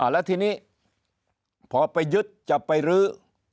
แล้วทีนี้พอไปยึดจะไปรื้อ